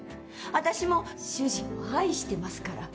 私も主人を愛してますから。